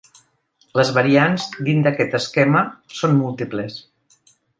Les variants, dins d'aquest esquema, són múltiples.